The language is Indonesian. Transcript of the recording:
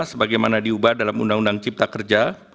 sebagaimana diubah dalam undang undang cipta kerja